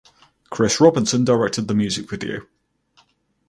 Chris Robinson directed the music video.